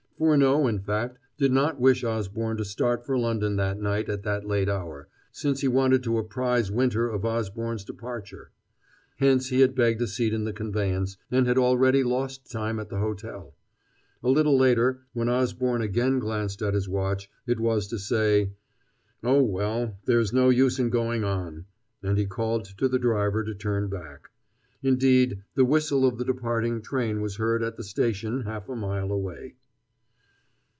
Furneaux, in fact, did not wish Osborne to start for London that night at that late hour, since he wanted to apprise Winter of Osborne's departure. Hence he had begged a seat in the conveyance, and had already lost time at the hotel. A little later, when Osborne again glanced at his watch, it was to say: "Oh, well, there is no use in going on," and he called to the driver to turn back. Indeed, the whistle of the departing train was heard at the station half a mile away.